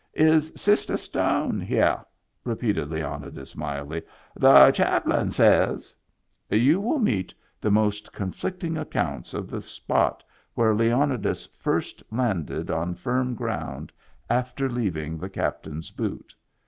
" Is Sistah Stone here? " repeated Leonidas, mildly. "The chaplain says —" You will meet the most conflicting accounts of the spot where Leonidas first landed on firm ground after leaving the captain*s boot.